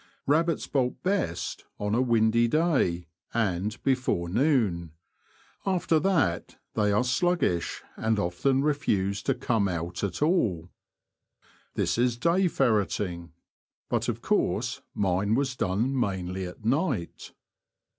Rabbits bolt best on a windy day and before noon ; after that they are sluggish and often refuse to come out at all. This is day ferreting, but of course mine was done mainly at night.